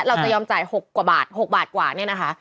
เราจะยอมจ่ายหกบาทกว่าเนี่ยนะคะ